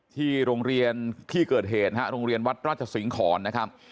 ที่โรงเรียนที่เกิดเหตุนะฮะโรงเรียนวัดราชสิงหอนนะครับ